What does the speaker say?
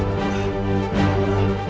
aku akan menang